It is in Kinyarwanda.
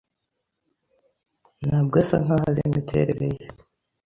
Ntabwo asa nkaho azi imiterere ye.